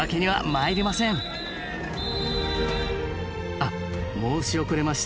あっ申し遅れました。